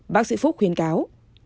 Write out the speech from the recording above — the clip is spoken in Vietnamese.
bác sĩ phúc khuyến cáo